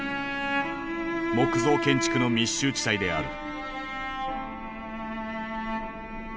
木造建築の密集地帯である。